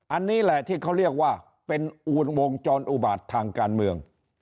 อันนี้แหละที่เขาเรียกว่าเป็นวงจรอุบาตทางการเมือง